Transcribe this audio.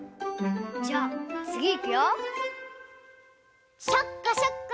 じゃあつぎいくよ。